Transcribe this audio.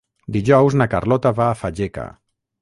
Dijous na Carlota va a Fageca.